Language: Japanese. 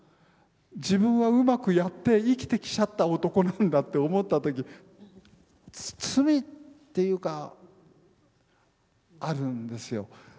自分はうまくやって生きてきちゃった男なんだって思った時罪っていうかあるんですよ。